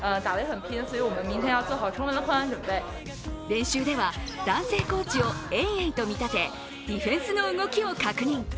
練習では、男性コーチを盈瑩と見立てディフェンスの動きを確認。